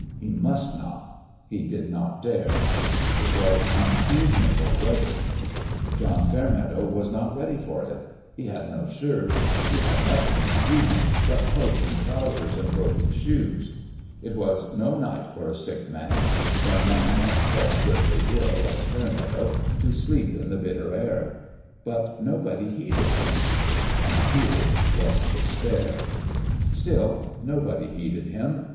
He must not : he did not dare. It was unseasonable weather. John Fairmeadow was not ready for it : he had no shirt he had nothing, indeed, but coat and trousers and broken shoes. It was no night for a sick man for a man as desperately ill as Fair meadow to sleep in the bitter air. But nobody heeded him. And here was despair. Still no body heeded him.